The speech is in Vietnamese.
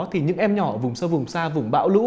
thì những em nhỏ